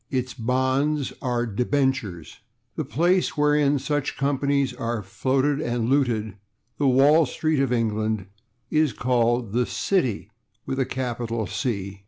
Its bonds are /debentures/. The place wherein such companies are floated and looted the Wall Street of England is called the /City/, with a capital /C